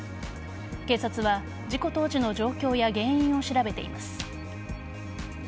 警察は事故当時の状況や原因を調べています。